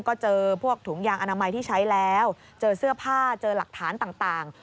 ก็เจอพวกถุงยางอนามัยที่ใช้แล้วเจอเสื้อผ้าเจอหลักฐานต่าง